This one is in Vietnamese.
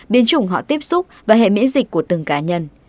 biến chủng họ tiếp xúc và hệ miễn dịch của từng cá nhân